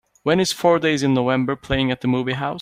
When is Four Days in November playing at the movie house?